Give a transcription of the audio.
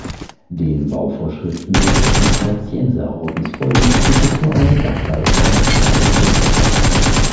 Den Bauvorschriften des Zisterzienserordens folgend, gibt es nur einen Dachreiter und keine Türme.